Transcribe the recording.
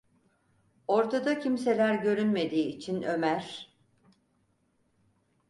Ortada kimseler görünmediği için Ömer: